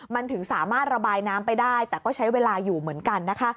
มันถึงสามารถระบายน้ำไปได้แต่ก็ใช้เวลาอยู่เหมือนกันนะคะ